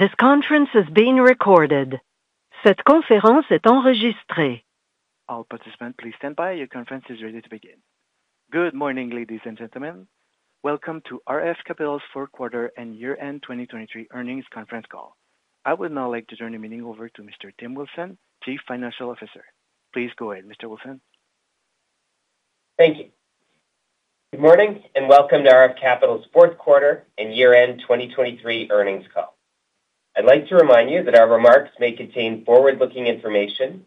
All participants, please stand by. Your conference is ready to begin. Good morning, ladies and gentlemen. Welcome to RF Capital's fourth quarter and year-end 2023 earnings conference call. I would now like to turn the meeting over to Mr. Tim Wilson, Chief Financial Officer. Please go ahead, Mr. Wilson. Thank you. Good morning and welcome to RF Capital's fourth quarter and year-end 2023 earnings call. I'd like to remind you that our remarks may contain forward-looking information,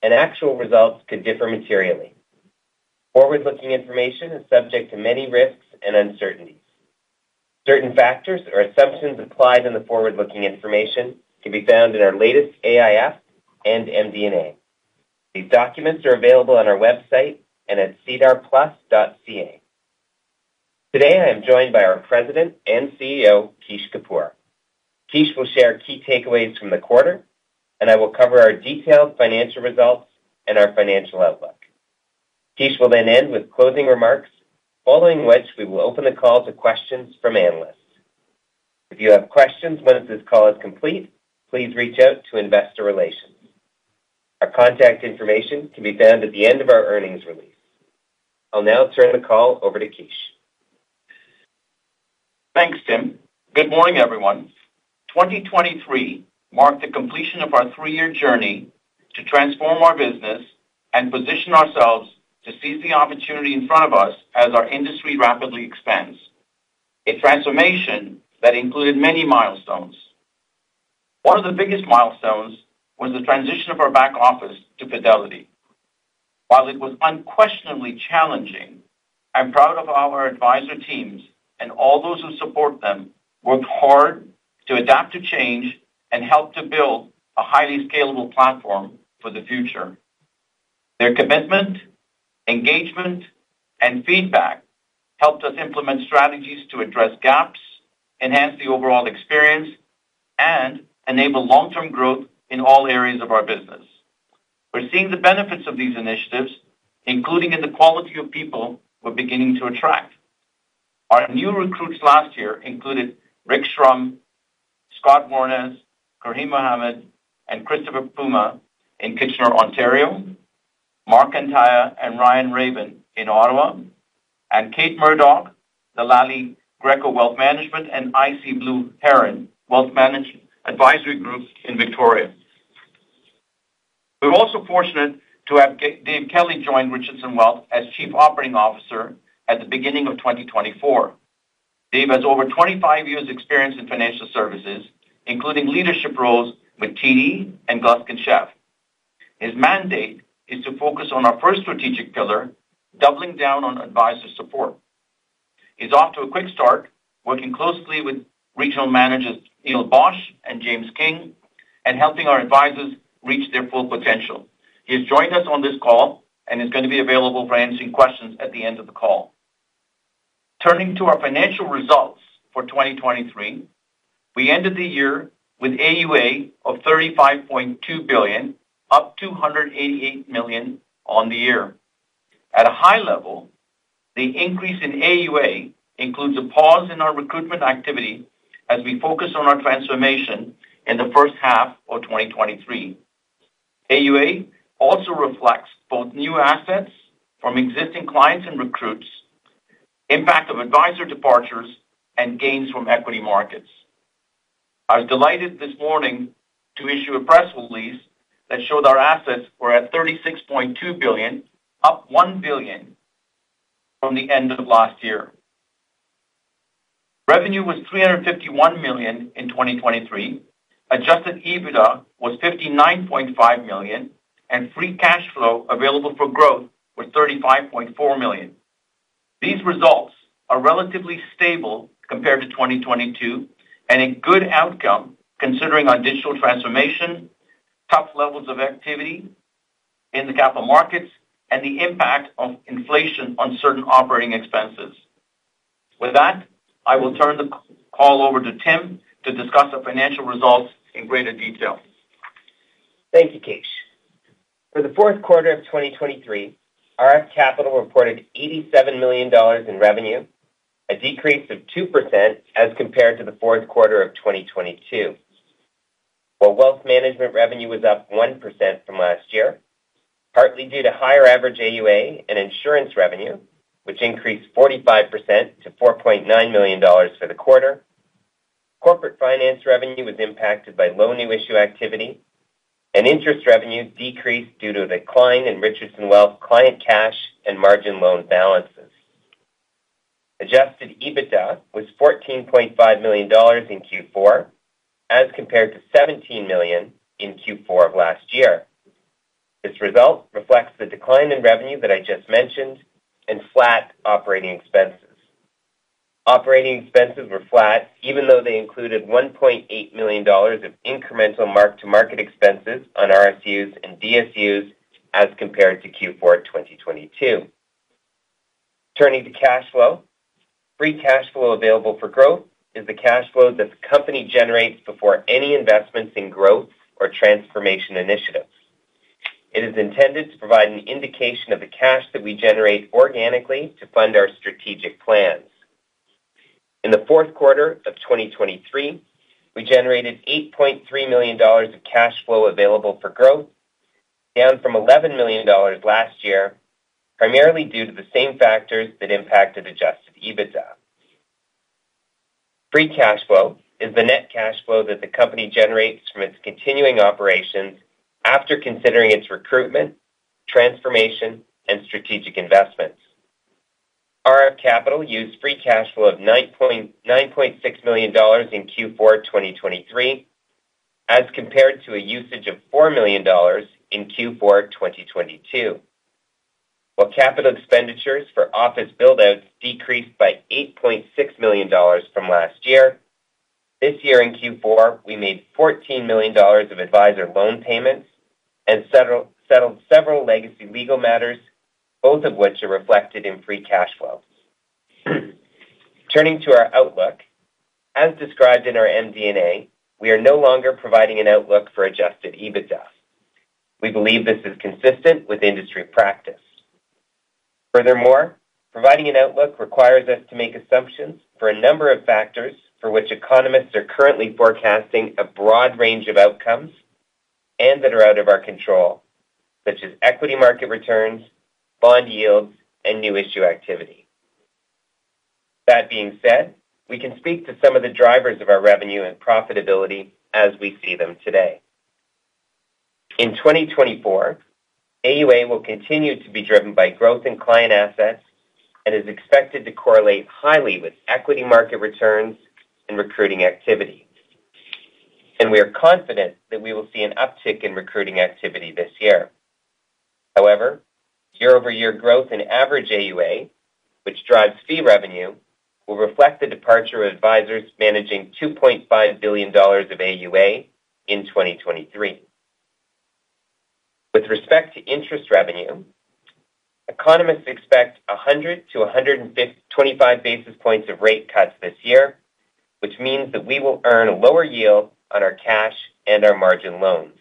and actual results could differ materially. Forward-looking information is subject to many risks and uncertainties. Certain factors or assumptions applied in the forward-looking information can be found in our latest AIF and MD&A. These documents are available on our website and at sedarplus.ca. Today I am joined by our President and CEO, Kish Kapoor. Kish will share key takeaways from the quarter, and I will cover our detailed financial results and our financial outlook. Kish will then end with closing remarks, following which we will open the call to questions from analysts. If you have questions once this call is complete, please reach out to Investor Relations. Our contact information can be found at the end of our earnings release. I'll now turn the call over to Kish. Thanks, Tim. Good morning, everyone. 2023 marked the completion of our three-year journey to transform our business and position ourselves to seize the opportunity in front of us as our industry rapidly expands, a transformation that included many milestones. One of the biggest milestones was the transition of our back office to Fidelity. While it was unquestionably challenging, I'm proud of how our advisor teams and all those who support them worked hard to adapt to change and help to build a highly scalable platform for the future. Their commitment, engagement, and feedback helped us implement strategies to address gaps, enhance the overall experience, and enable long-term growth in all areas of our business. We're seeing the benefits of these initiatives, including in the quality of people we're beginning to attract. Our new recruits last year included Rick Shrum, Scott Warnes, Karim Mohamed, and Christopher Puma in Kitchener (Ontario), Mark Antaya and Ryan Raven in Ottawa, and Kate Murdoch, the Lally Greco Wealth Management and IC Blue Heron Wealth Management Advisory Group in Victoria. We're also fortunate to have Dave Kelly join Richardson Wealth as Chief Operating Officer at the beginning of 2024. Dave has over 25 years' experience in financial services, including leadership roles with TD and Gluskin Sheff. His mandate is to focus on our first strategic pillar, doubling down on advisor support. He's off to a quick start working closely with regional managers Neil Bosch and James King and helping our advisors reach their full potential. He has joined us on this call and is going to be available for answering questions at the end of the call. Turning to our financial results for 2023, we ended the year with AUA of 35.2 billion, up 288 million on the year. At a high level, the increase in AUA includes a pause in our recruitment activity as we focus on our transformation in the first half of 2023. AUA also reflects both new assets from existing clients and recruits, the impact of advisor departures, and gains from equity markets. I was delighted this morning to issue a press release that showed our assets were at 36.2 billion, up 1 billion from the end of last year. Revenue was 351 million in 2023, Adjusted EBITDA was 59.5 million, and Free Cash Flow available for growth was 35.4 million. These results are relatively stable compared to 2022 and a good outcome considering our digital transformation, tough levels of activity in the capital markets, and the impact of inflation on certain operating expenses. With that, I will turn the call over to Tim to discuss the financial results in greater detail. Thank you, Kish. For the fourth quarter of 2023, RF Capital reported 87 million dollars in revenue, a decrease of 2% as compared to the fourth quarter of 2022. While wealth management revenue was up 1% from last year, partly due to higher average AUA and insurance revenue, which increased 45% to 4.9 million dollars for the quarter, corporate finance revenue was impacted by low new issue activity, and interest revenue decreased due to a decline in Richardson Wealth client cash and margin loan balances. Adjusted EBITDA was 14.5 million dollars in Q4 as compared to 17 million in Q4 of last year. This result reflects the decline in revenue that I just mentioned and flat operating expenses. Operating expenses were flat even though they included 1.8 million dollars of incremental mark-to-market expenses on RSUs and DSUs as compared to Q4 2022. Turning to cash flow, free cash flow available for growth is the cash flow that the company generates before any investments in growth or transformation initiatives. It is intended to provide an indication of the cash that we generate organically to fund our strategic plans. In the fourth quarter of 2023, we generated 8.3 million dollars of cash flow available for growth, down from 11 million dollars last year, primarily due to the same factors that impacted Adjusted EBITDA. Free cash flow is the net cash flow that the company generates from its continuing operations after considering its recruitment, transformation, and strategic investments. RF Capital used free cash flow of 9.6 million dollars in Q4 2023 as compared to a usage of 4 million dollars in Q4 2022. While capital expenditures for office buildouts decreased by 8.6 million dollars from last year, this year in Q4 we made 14 million dollars of advisor loan payments and settled several legacy legal matters, both of which are reflected in free cash flows. Turning to our outlook, as described in our MD&A, we are no longer providing an outlook for Adjusted EBITDA. We believe this is consistent with industry practice. Furthermore, providing an outlook requires us to make assumptions for a number of factors for which economists are currently forecasting a broad range of outcomes and that are out of our control, such as equity market returns, bond yields, and new issue activity. That being said, we can speak to some of the drivers of our revenue and profitability as we see them today. In 2024, AUA will continue to be driven by growth in client assets and is expected to correlate highly with equity market returns and recruiting activity. We are confident that we will see an uptick in recruiting activity this year. However, year-over-year growth in average AUA, which drives fee revenue, will reflect the departure of advisors managing 2.5 billion dollars of AUA in 2023. With respect to interest revenue, economists expect 100-125 basis points of rate cuts this year, which means that we will earn a lower yield on our cash and our margin loans.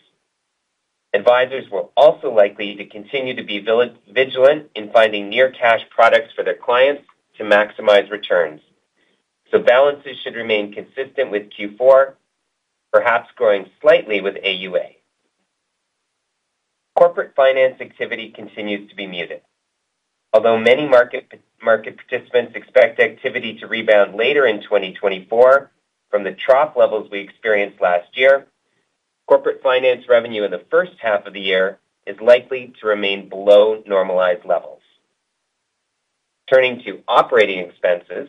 Advisors will also likely continue to be vigilant in finding near-cash products for their clients to maximize returns, so balances should remain consistent with Q4, perhaps growing slightly with AUA. Corporate finance activity continues to be muted. Although many market participants expect activity to rebound later in 2024 from the trough levels we experienced last year, corporate finance revenue in the first half of the year is likely to remain below normalized levels. Turning to operating expenses,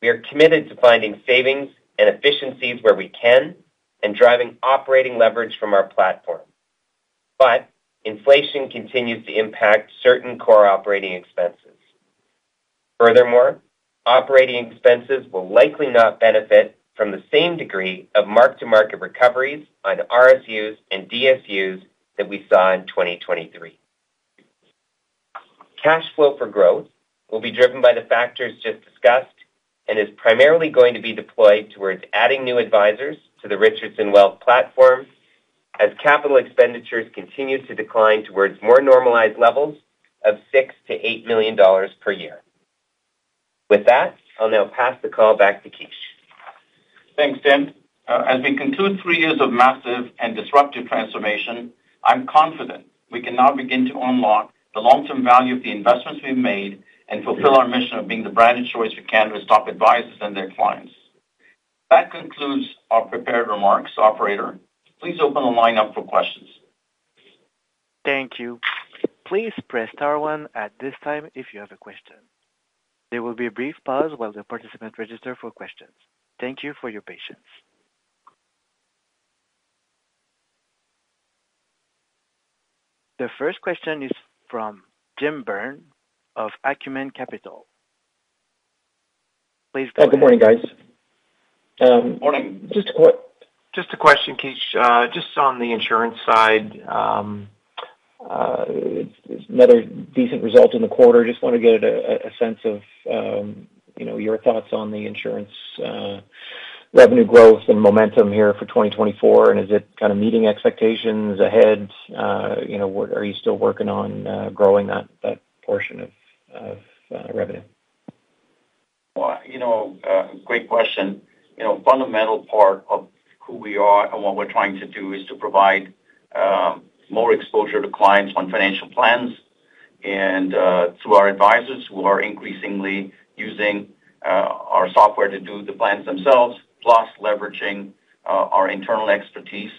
we are committed to finding savings and efficiencies where we can and driving operating leverage from our platform. But inflation continues to impact certain core operating expenses. Furthermore, operating expenses will likely not benefit from the same degree of mark-to-market recoveries on RSUs and DSUs that we saw in 2023. Cash flow for growth will be driven by the factors just discussed and is primarily going to be deployed towards adding new advisors to the Richardson Wealth platform as capital expenditures continue to decline towards more normalized levels of 6 million dollars-CAD8 million per year. With that, I'll now pass the call back to Kish. Thanks, Tim. As we conclude three years of massive and disruptive transformation, I'm confident we can now begin to unlock the long-term value of the investments we've made and fulfill our mission of being the branded choice for Canada's top advisors and their clients. That concludes our prepared remarks, operator. Please open the line for questions. Thank you. Please press star one at this time if you have a question. There will be a brief pause while the participants register for questions. Thank you for your patience. The first question is from Jim Byrne of Acumen Capital. Please go ahead. Good morning, guys. Morning. Just a question, Kish. Just on the insurance side, it's another decent result in the quarter. Just want to get a sense of your thoughts on the insurance revenue growth and momentum here for 2024, and is it kind of meeting expectations ahead? Are you still working on growing that portion of revenue? Well, great question. Fundamental part of who we are and what we're trying to do is to provide more exposure to clients on financial plans through our advisors who are increasingly using our software to do the plans themselves, plus leveraging our internal expertise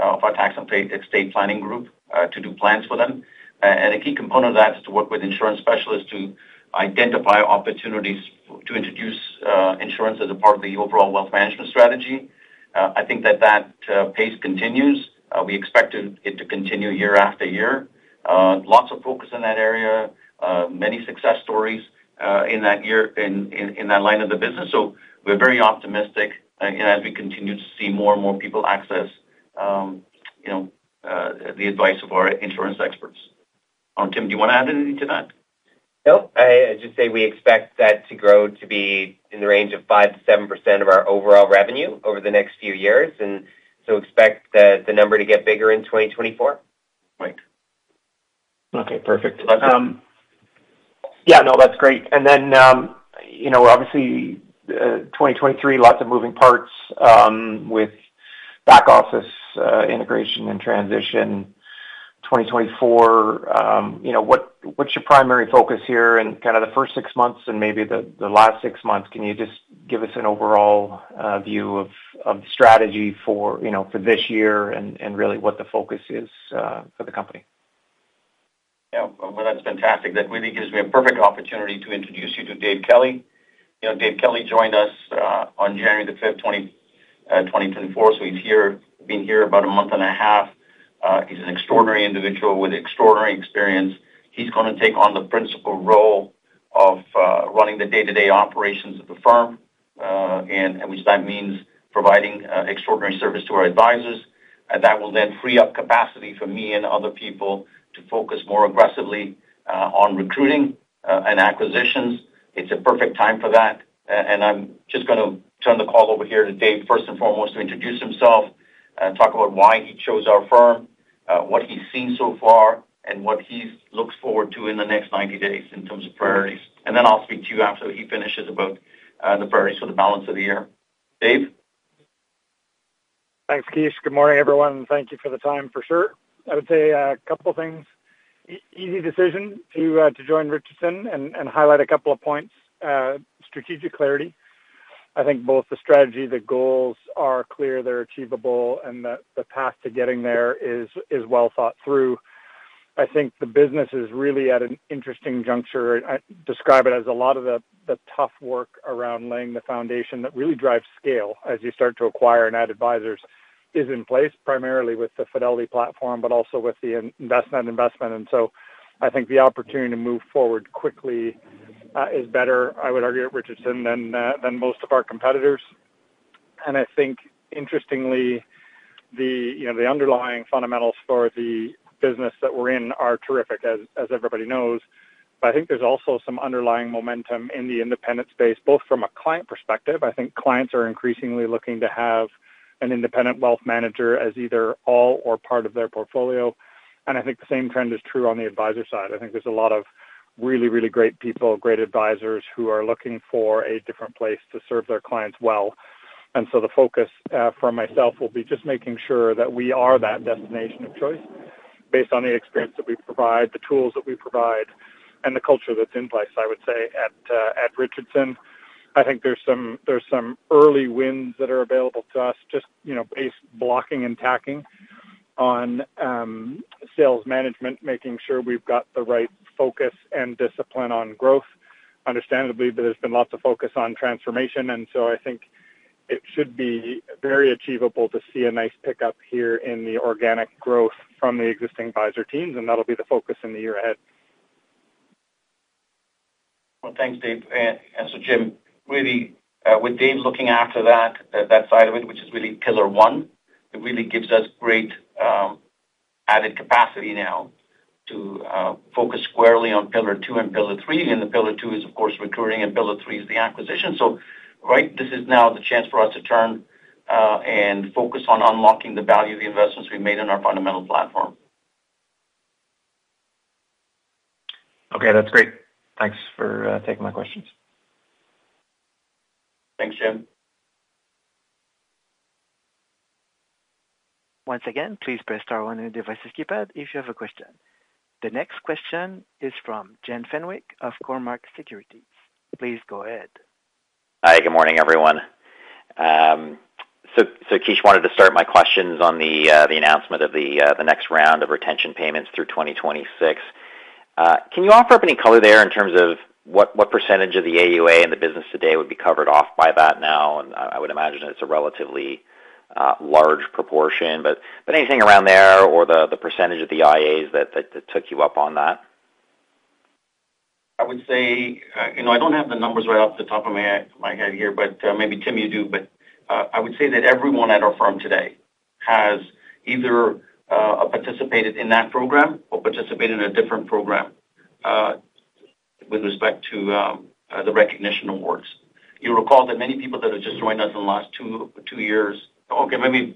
of our tax and estate planning group to do plans for them. A key component of that is to work with insurance specialists to identify opportunities to introduce insurance as a part of the overall wealth management strategy. I think that that pace continues. We expect it to continue year after year. Lots of focus in that area, many success stories in that line of the business. We're very optimistic as we continue to see more and more people access the advice of our insurance experts. Tim, do you want to add anything to that? Nope. I'd just say we expect that to grow to be in the range of 5%-7% of our overall revenue over the next few years, and so expect the number to get bigger in 2024. Right. Okay. Perfect. Yeah. No, that's great. And then obviously, 2023, lots of moving parts with back office integration and transition. 2024, what's your primary focus here in kind of the first six months and maybe the last six months? Can you just give us an overall view of the strategy for this year and really what the focus is for the company? Yeah. Well, that's fantastic. That really gives me a perfect opportunity to introduce you to Dave Kelly. Dave Kelly joined us on January 5th, 2024, so he's been here about a month and a half. He's an extraordinary individual with extraordinary experience. He's going to take on the principal role of running the day-to-day operations of the firm, which that means providing extraordinary service to our advisors. That will then free up capacity for me and other people to focus more aggressively on recruiting and acquisitions. It's a perfect time for that. And I'm just going to turn the call over here to Dave, first and foremost, to introduce himself, talk about why he chose our firm, what he's seen so far, and what he looks forward to in the next 90 days in terms of priorities. Then I'll speak to you after he finishes about the priorities for the balance of the year. Dave? Thanks, Kish. Good morning, everyone. Thank you for the time, for sure. I would say a couple of things. Easy decision to join Richardson and highlight a couple of points. Strategic clarity. I think both the strategy and the goals are clear. They're achievable, and the path to getting there is well thought through. I think the business is really at an interesting juncture. I describe it as a lot of the tough work around laying the foundation that really drives scale as you start to acquire and add advisors is in place, primarily with the Fidelity platform, but also with the investment in Envestnet. And so I think the opportunity to move forward quickly is better, I would argue, at Richardson than most of our competitors. And I think, interestingly, the underlying fundamentals for the business that we're in are terrific, as everybody knows. But I think there's also some underlying momentum in the independent space, both from a client perspective. I think clients are increasingly looking to have an independent wealth manager as either all or part of their portfolio. And I think the same trend is true on the advisor side. I think there's a lot of really, really great people, great advisors who are looking for a different place to serve their clients well. And so the focus for myself will be just making sure that we are that destination of choice based on the experience that we provide, the tools that we provide, and the culture that's in place, I would say, at Richardson. I think there's some early wins that are available to us just based on blocking and tackling on sales management, making sure we've got the right focus and discipline on growth, understandably, but there's been lots of focus on transformation. And so I think it should be very achievable to see a nice pickup here in the organic growth from the existing advisor teams, and that'll be the focus in the year ahead. Well, thanks, Dave. And so, Jim, with Dave looking after that side of it, which is really pillar one, it really gives us great added capacity now to focus squarely on pillar two and pillar three. And the pillar two is, of course, recruiting, and pillar three is the acquisition. So, right, this is now the chance for us to turn and focus on unlocking the value of the investments we made in our fundamental platform. Okay. That's great. Thanks for taking my questions. Thanks, Jim. Once again, please press star one on your device's keypad if you have a question. The next question is from Jeff Fenwick of Cormark Securities. Please go ahead. Hi. Good morning, everyone. So, Kish, wanted to start my questions on the announcement of the next round of retention payments through 2026. Can you offer up any color there in terms of what percentage of the AUA and the business today would be covered off by that now? And I would imagine it's a relatively large proportion, but anything around there or the percentage of the IAs that took you up on that? I would say I don't have the numbers right off the top of my head here, but maybe, Tim, you do. I would say that everyone at our firm today has either participated in that program or participated in a different program with respect to the recognition awards. You'll recall that many people that have just joined us in the last two years okay, let me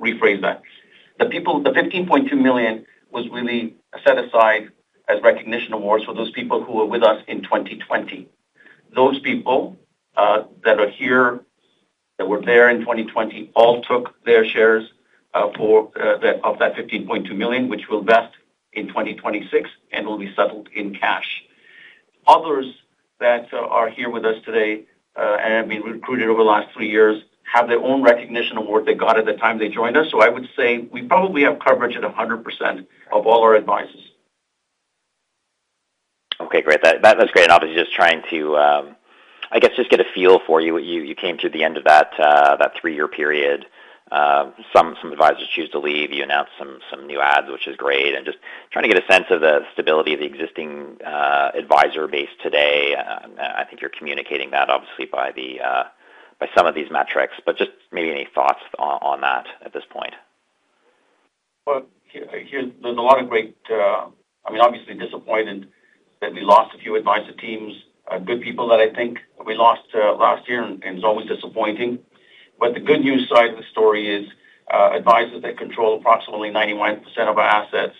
rephrase that. The 15.2 million was really set aside as recognition awards for those people who were with us in 2020. Those people that are here, that were there in 2020, all took their shares of that 15.2 million, which will vest in 2026 and will be settled in cash. Others that are here with us today and have been recruited over the last three years have their own recognition award they got at the time they joined us. I would say we probably have coverage at 100% of all our advisors. Okay. Great. That's great. And obviously, just trying to, I guess, just get a feel for you. You came through the end of that three-year period. Some advisors choose to leave. You announced some new ads, which is great. And just trying to get a sense of the stability of the existing advisor base today. I think you're communicating that, obviously, by some of these metrics. But just maybe any thoughts on that at this point? Well, there's a lot of great I mean, obviously, disappointed that we lost a few advisor teams, good people that I think we lost last year, and it's always disappointing. But the good news side of the story is advisors that control approximately 91% of our assets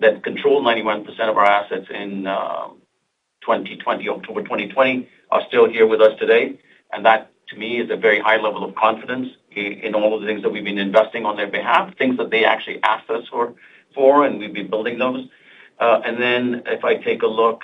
that control 91% of our assets in October 2020 are still here with us today. And that, to me, is a very high level of confidence in all of the things that we've been investing on their behalf, things that they actually asked us for, and we've been building those. And then if I take a look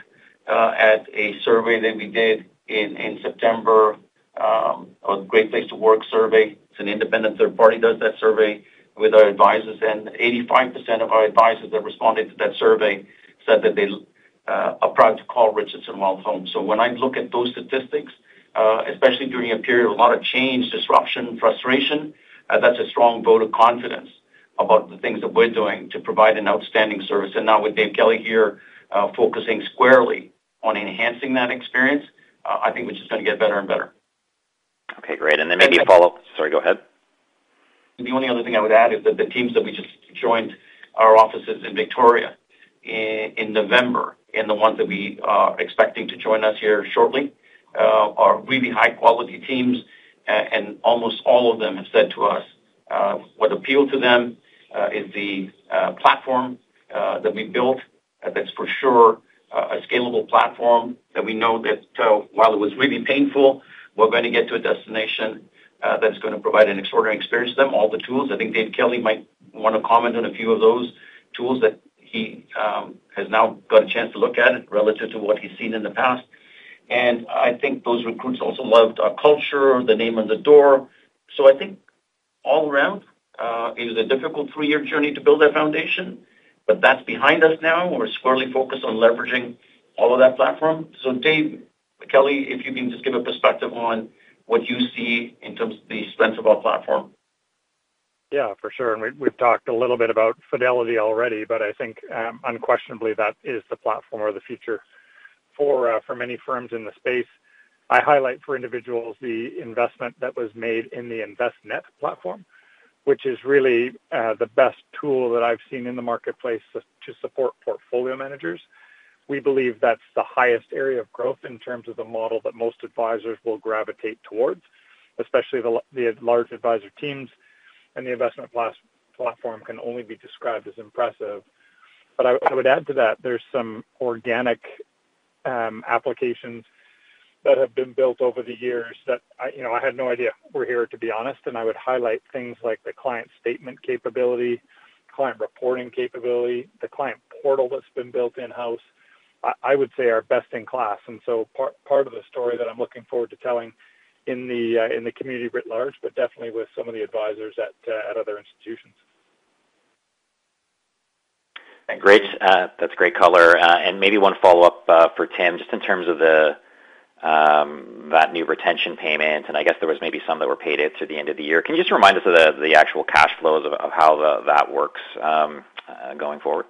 at a survey that we did in September, a Great Place to Work survey. It's an independent third party that does that survey with our advisors. And 85% of our advisors that responded to that survey said that they are proud to call Richardson Wealth home. So when I look at those statistics, especially during a period of a lot of change, disruption, frustration, that's a strong vote of confidence about the things that we're doing to provide an outstanding service. Now with Dave Kelly here focusing squarely on enhancing that experience, I think we're just going to get better and better. Okay. Great. And then maybe follow-up, sorry. Go ahead. The only other thing I would add is that the teams that we just joined our offices in Victoria in November and the ones that we are expecting to join us here shortly are really high-quality teams. Almost all of them have said to us what appealed to them is the platform that we built. That's for sure a scalable platform that we know that while it was really painful, we're going to get to a destination that is going to provide an extraordinary experience to them, all the tools. I think Dave Kelly might want to comment on a few of those tools that he has now got a chance to look at relative to what he's seen in the past. Those recruits also loved our culture, the name on the door. I think all around, it was a difficult three-year journey to build that foundation, but that's behind us now. We're squarely focused on leveraging all of that platform. So, Dave Kelly, if you can just give a perspective on what you see in terms of the strengths of our platform. Yeah, for sure. And we've talked a little bit about Fidelity already, but I think, unquestionably, that is the platform or the future for many firms in the space. I highlight for individuals the investment that was made in the Envestnet platform, which is really the best tool that I've seen in the marketplace to support portfolio managers. We believe that's the highest area of growth in terms of the model that most advisors will gravitate towards, especially the large advisor teams. And the investment platform can only be described as impressive. But I would add to that, there's some organic applications that have been built over the years that I had no idea were here, to be honest. And I would highlight things like the client statement capability, client reporting capability, the client portal that's been built in-house. I would say our best in class. And so part of the story that I'm looking forward to telling in the community writ large, but definitely with some of the advisors at other institutions. Great. That's great color. Maybe one follow-up for Tim, just in terms of that new retention payment. I guess there was maybe some that were paid into the end of the year. Can you just remind us of the actual cash flows of how that works going forward?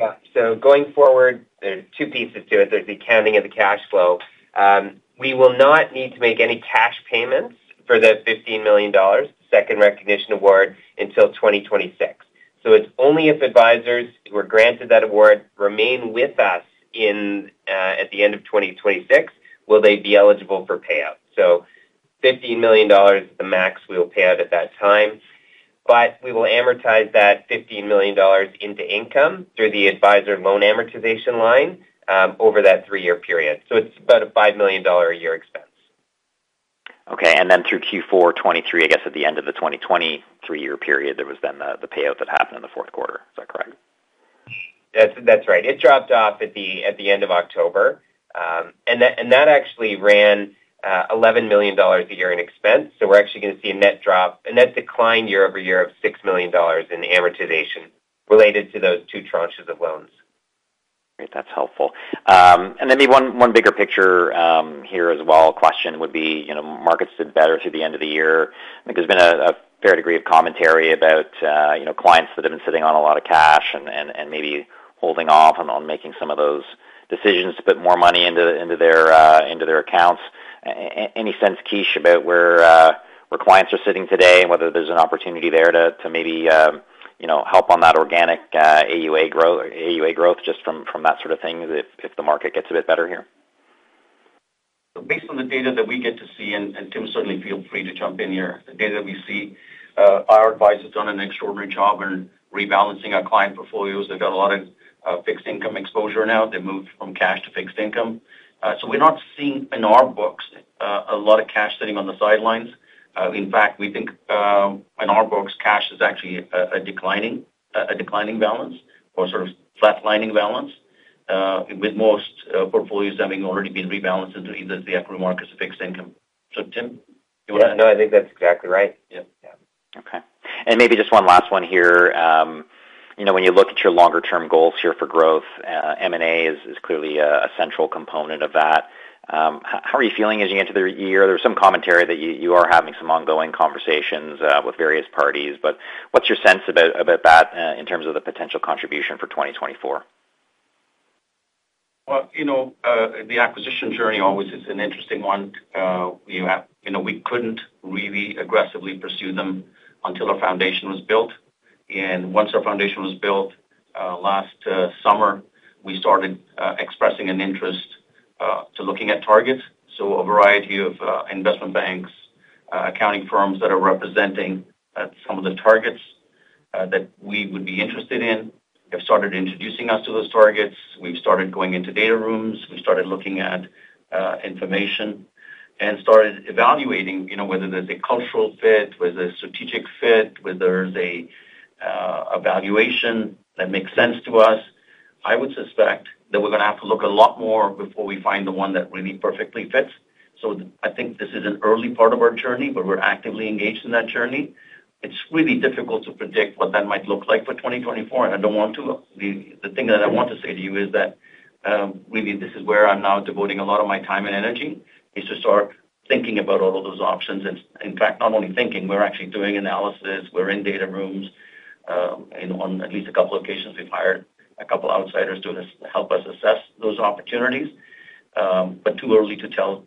Yeah. So going forward, there are two pieces to it. There's the accounting of the cash flow. We will not need to make any cash payments for the 15 million dollars second recognition award until 2026. So it's only if advisors who are granted that award remain with us at the end of 2026 will they be eligible for payout. So 15 million dollars is the max we'll pay out at that time. But we will amortize that 15 million dollars into income through the advisor loan amortization line over that three-year period. So it's about a 5 million dollar a year expense. Okay. Then through Q4 2023, I guess, at the end of the 2020 three-year period, there was then the payout that happened in the fourth quarter. Is that correct? That's right. It dropped off at the end of October. That actually ran 11 million dollars a year in expense. We're actually going to see a net decline, year-over-year, of 6 million dollars in amortization related to those two tranches of loans. Great. That's helpful. And then maybe one bigger picture here as well, a question, would be markets did better through the end of the year. I think there's been a fair degree of commentary about clients that have been sitting on a lot of cash and maybe holding off on making some of those decisions to put more money into their accounts. Any sense, Kish, about where clients are sitting today and whether there's an opportunity there to maybe help on that organic AUA growth just from that sort of thing if the market gets a bit better here? Based on the data that we get to see, and Tim, certainly, feel free to jump in here. The data that we see, our advisors have done an extraordinary job in rebalancing our client portfolios. They've got a lot of fixed income exposure now. They've moved from cash to fixed income. So we're not seeing, in our books, a lot of cash sitting on the sidelines. In fact, we think, in our books, cash is actually a declining balance or sort of flatlining balance with most portfolios having already been rebalanced into either the equity markets or fixed income. So, Tim, you want to? No, I think that's exactly right. Yeah. Okay. Maybe just one last one here. When you look at your longer-term goals here for growth, M&A is clearly a central component of that. How are you feeling as you enter the year? There's some commentary that you are having some ongoing conversations with various parties. But what's your sense about that in terms of the potential contribution for 2024? Well, the acquisition journey always is an interesting one. We couldn't really aggressively pursue them until our foundation was built. Once our foundation was built last summer, we started expressing an interest to looking at targets. A variety of investment banks, accounting firms that are representing some of the targets that we would be interested in have started introducing us to those targets. We've started going into data rooms. We've started looking at information and started evaluating whether there's a cultural fit, whether there's a strategic fit, whether there's an evaluation that makes sense to us. I would suspect that we're going to have to look a lot more before we find the one that really perfectly fits. I think this is an early part of our journey, but we're actively engaged in that journey. It's really difficult to predict what that might look like for 2024. I don't want to, the thing that I want to say to you is that, really, this is where I'm now devoting a lot of my time and energy is to start thinking about all of those options. In fact, not only thinking, we're actually doing analysis. We're in data rooms. On at least a couple of occasions, we've hired a couple of outsiders to help us assess those opportunities. But it's too early to tell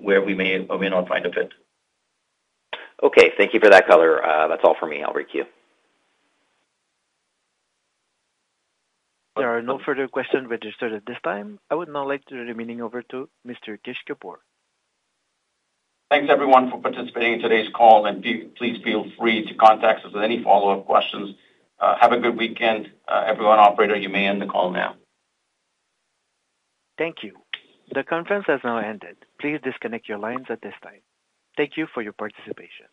where we may or may not find a fit. Okay. Thank you for that color. That's all for me. I'll break you. There are no further questions registered at this time. I would now like to turn the meeting over to Mr. Kish Kapoor. Thanks, everyone, for participating in today's call. Please feel free to contact us with any follow-up questions. Have a good weekend, everyone. Operator, you may end the call now. Thank you. The conference has now ended. Please disconnect your lines at this time. Thank you for your participation.